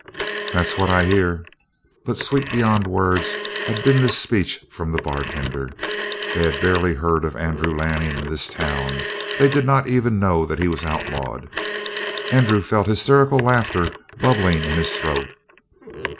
"That's what I hear." But sweet beyond words had been this speech from the bartender. They had barely heard of Andrew Lanning in this town; they did not even know that he was outlawed. Andrew felt hysterical laughter bubbling in his throat.